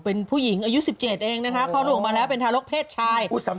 เป็นผู้หญิงอายุ๑๗เองนะคะคลอดลูกออกมาแล้วเป็นทารกเพศชาย